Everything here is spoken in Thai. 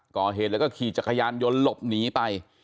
ก่อเหตุแล้วก็ขี่จักรยานยนต์หลบหนีไป